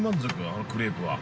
あのクレープは。